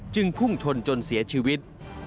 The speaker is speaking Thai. พุ่งชนจนเสียชีวิต